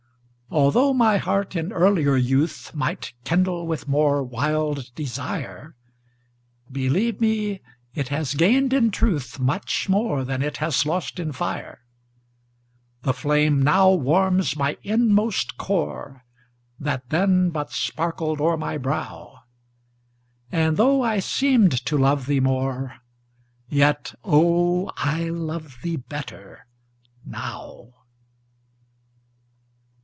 Altho' my heart in earlier youth Might kindle with more wild desire, Believe me, it has gained in truth Much more than it has lost in fire. The flame now warms my inmost core, That then but sparkled o'er my brow, And, though I seemed to love thee more, Yet, oh, I love thee better now.